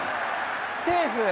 セーフ。